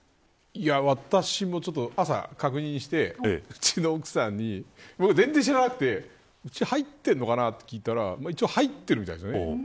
私も朝、確認してうちの奥さんに僕、全然知らなくてうち入ってるのかなって聞いたら一応、入っているみたいですね。